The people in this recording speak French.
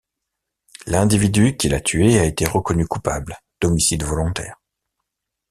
L'individu qui l'a tué a été reconnu coupable d'homicide volontaire.